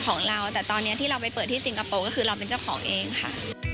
ของเราแต่ตอนนี้ที่เราไปเปิดที่สิงคโปร์ก็คือเราเป็นเจ้าของเองค่ะ